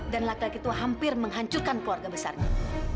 dan laki laki itu hampir menghancurkan keluarga besarnya